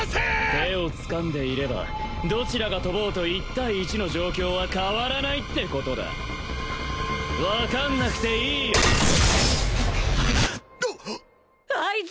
手をつかんでいればどちらが飛ぼうと１対１の状況は変わらないってことだ分かんなくていいよ合図！